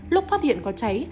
lúc phát hiện có cháy